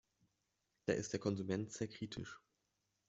Da ist der Konsument sehr kritisch.